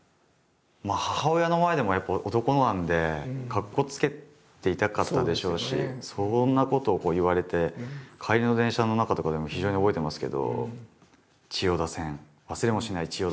まあ母親の前でもやっぱ男なんでかっこつけていたかったでしょうしそんなことを言われて帰りの電車の中とかでも非常に覚えてますけど。